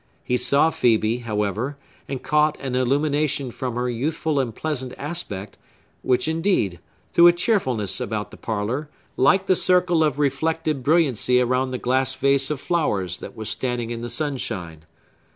He saw Phœbe, however, and caught an illumination from her youthful and pleasant aspect, which, indeed, threw a cheerfulness about the parlor, like the circle of reflected brilliancy around the glass vase of flowers that was standing in the sunshine.